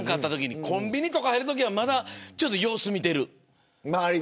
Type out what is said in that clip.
コンビニとかに入るときは様子を見ている。